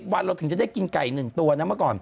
วันเราถึงจะได้กินไก่๑ตัวนะเมื่อก่อน